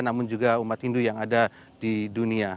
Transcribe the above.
namun juga umat hindu yang ada di dunia